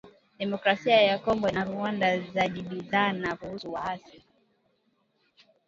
Demokrasia ya Kongo na Rwanda zajibizana kuhusu waasi